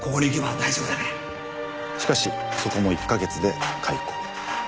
しかしそこも１か月で解雇。